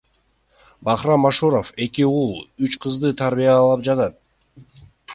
Бахрам Ашуров эки уул, үч кызды тарбиялап жатат.